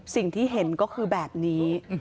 สิ่งที่เห็นก็คือแบบนี้